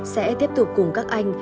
sẽ tiếp tục cùng các anh